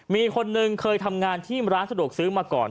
มีคนนึงเคยทำงานที่ร้านสะดวกซื้อมาก่อน